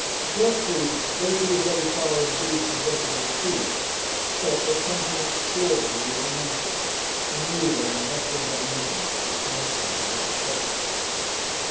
Gertrude, though she was very far indeed from guessing the truth, felt that something extraordinary was the matter, and knew that her husband's uneasiness was connected with the Scotts.